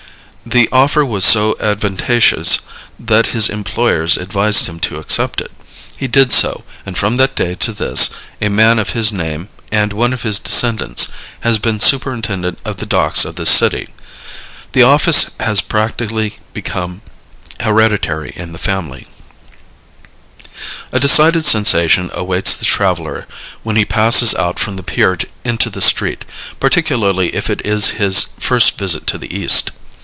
The offer was so advantageous that his employers advised him to accept it. He did so, and from that day to this a man of his name, and one of his descendants, has been superintendent of the docks of this city. The office has practically become hereditary in the family. [Illustration: CLOCK TOWER AND UNIVERSITY BUILDINGS BOMBAY] A decided sensation awaits the traveler when he passes out from the pier into the street, particularly if it is his first visit to the East.